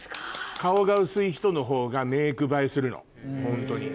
顔が薄い人のほうがメイク映えするのホントに。